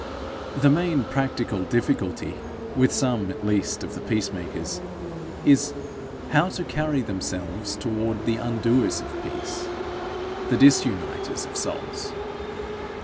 The main practical difficulty, with some at least of the peace makers, is, how to carry themselves toward the undoers of peace, the disuniters of souls.